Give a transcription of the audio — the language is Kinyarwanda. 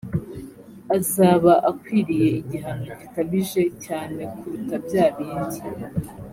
azaba akwiriye igihano gikabije cyane kuruta byabindi